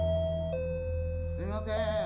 すいません